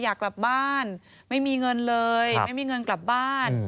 อยากกลับบ้านไม่มีเงินเลยไม่มีเงินกลับบ้าน